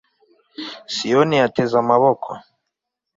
siyoni yateze amaboko